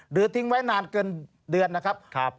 ทิ้งไว้นานเกินเดือนนะครับ